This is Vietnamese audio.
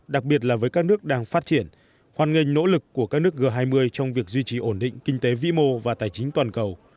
đặc biệt là với các nước đang phát triển hoàn ngành nỗ lực của các nước g hai mươi trong việc duy trì ổn định kinh tế vĩ mô và tài chính toàn cầu